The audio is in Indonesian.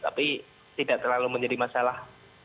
tapi tidak terlalu menjadi masalah